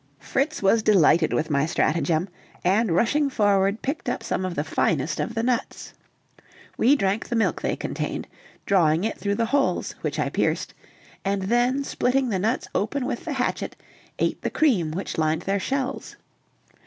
Fritz was delighted with my stratagem, and rushing forward picked up some of the finest of the nuts. We drank the milk they contained, drawing it through the holes, which I pierced, and then, splitting the nuts open with the hatchet, ate the cream which lined their shells.